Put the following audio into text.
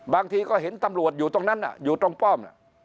บางทีก็เห็นตำรวจอยู่ตรงนั้นอยู่ตรงป้อม